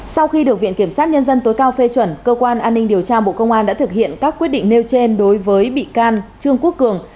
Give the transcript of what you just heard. sau khi được viện kiểm sát nhân dân tối cao phê chuẩn cơ quan an ninh điều tra bộ công an đã thực hiện các quyết định nêu trên đối với bị can trương quốc cường